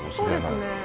そうですね。